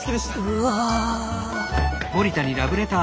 うわ！